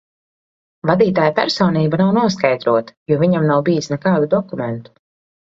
Vadītāja personība nav noskaidrota, jo viņam nav bijis nekādu dokumentu.